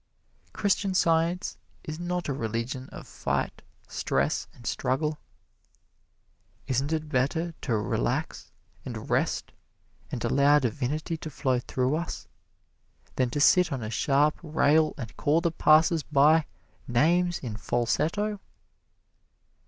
Christian Science is not a religion of fight, stress and struggle. Isn't it better to relax and rest and allow Divinity to flow through us, than to sit on a sharp rail and call the passer by names in falsetto?